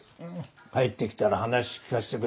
帰ってきたら話聞かせてくれ。